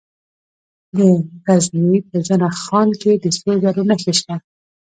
د غزني په زنه خان کې د سرو زرو نښې شته.